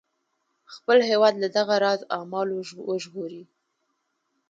خپل هیواد له دغه راز اعمالو وژغوري.